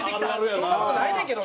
そんな事ないねんけどな。